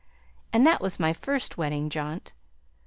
And that was my first wedding jaunt.